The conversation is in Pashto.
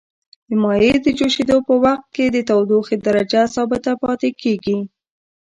د مایع د جوشیدو په وقت کې د تودوخې درجه ثابته پاتې کیږي.